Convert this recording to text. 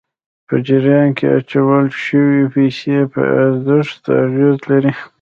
په جریان کې اچول شويې پیسې په ارزښت اغېز لري.